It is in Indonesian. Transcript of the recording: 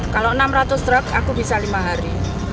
kalau rp enam ratus aku bisa lima hari